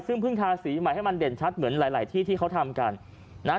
ซึ่งเพิ่งทาสีใหม่ให้มันเด่นชัดเหมือนหลายหลายที่ที่เขาทำกันนะ